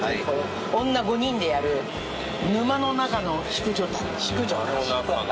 女５人でやる『沼の中の淑女たち』